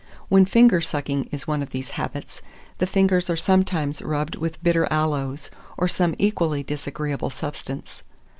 When finger sucking is one of these habits, the fingers are sometimes rubbed with bitter aloes, or some equally disagreeable substance.